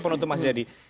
penuntut mas zedi